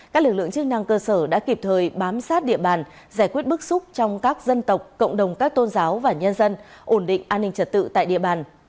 các lực lượng chức năng cơ sở đã kịp thời bám sát địa bàn giải quyết bức xúc trong các dân tộc cộng đồng các tôn giáo và nhân dân ổn định an ninh trật tự tại địa bàn